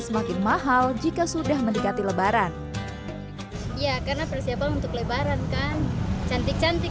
semakin mahal jika sudah mendekati lebaran ya karena persiapan untuk lebaran kan cantik cantik